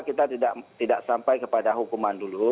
kita tidak sampai kepada hukuman dulu